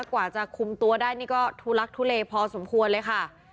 กว่าจะคุมตัวได้นี่ก็ทุลักทุเลพอสมควรเลยค่ะ